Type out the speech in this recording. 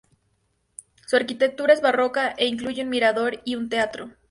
Su arquitectura es barroca e incluye un mirador y un teatro.